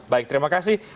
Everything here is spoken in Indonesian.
baik terima kasih